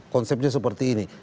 konsepnya seperti ini